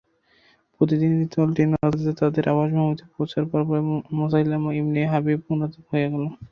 প্রতিনিধি দলটি নজদে তাদের আবাসভূমিতে পৌঁছার পরপরই মুসাইলামা ইবনে হাবীব মুরতাদ হয়ে গেল।